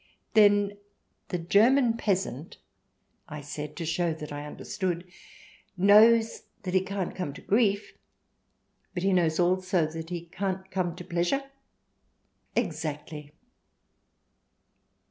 "Then the German peasant," I said, to show I CH. XIV] GREAT DANES AND MICE 193 understood, " knows that he can't come to grief, but he knows also that he can't come to pleasure !"" Exactly